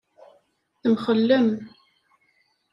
Temxellem.